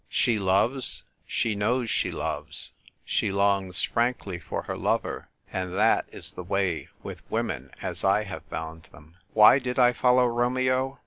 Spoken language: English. She loves ; she knows she loves ; she longs frankly for her lover. And that is the way with women as I have found them. Why did I follow Romeo